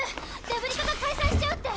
デブリ課が解散しちゃうって！